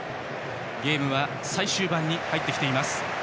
ゲームは最終盤に入ってきています。